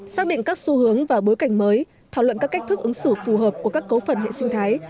xác định các xu hướng và bối cảnh mới thảo luận các cách thức ứng xử phù hợp của các cấu phần hệ sinh thái